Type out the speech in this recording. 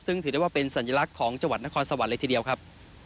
ซึ่งถือได้ว่าเป็นสัญลักษณ์ของจังหวัดนครสวรรค์เลยทีเดียวครับ